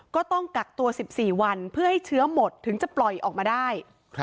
ก็ต้องกักตัว๑๔วันเพื่อให้เชื้อหมดถึงจะปล่อยออกมาได้